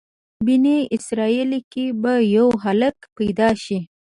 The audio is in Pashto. بني اسرایلو کې به یو هلک پیدا شي.